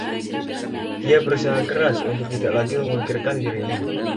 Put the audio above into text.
Dia berusaha keras untuk tidak lagi memikirkan dirinya.